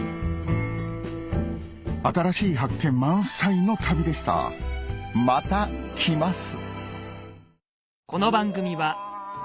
新しい発見満載の旅でしたまた来ます